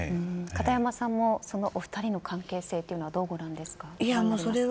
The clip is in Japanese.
片山さんもそのお二人の関係性はどうご覧になりますか。